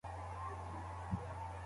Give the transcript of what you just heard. علمي تحقیق بې بودیجې نه تمویلیږي.